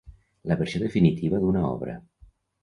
La versió definitiva d'una obra.